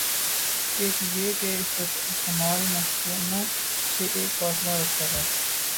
ایک یہ کہ استعمار محکوموں سے ایک فاصلہ رکھتا ہے۔